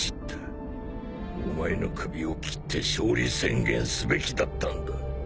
お前の首をきって勝利宣言すべきだったんだ。